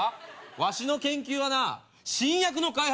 わしの研究はな新薬の開発。